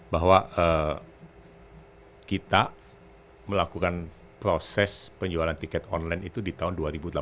bahwa kita melakukan proses penjualan tiket online itu di tahun dua ribu delapan belas